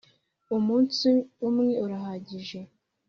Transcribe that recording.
Umunsi umwe urahagije.